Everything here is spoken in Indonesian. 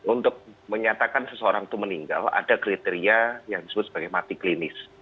untuk menyatakan seseorang itu meninggal ada kriteria yang disebut sebagai mati klinis